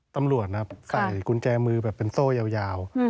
ตำรวจนะครับใส่กุญแจมือแบบเป็นโซ่ยาว